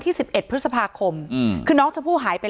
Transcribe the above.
ที่มีข่าวเรื่องน้องหายตัว